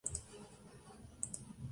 Juega en la posición de volante mixto.